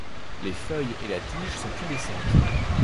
Les feuilles et la tige sont pubescentes.